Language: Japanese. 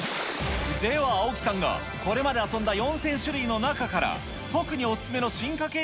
では青木さんがこれまで遊んだ４０００種類の中から、特にお勧めの進化系